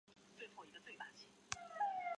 康熙二十九年庚午科乡试解元。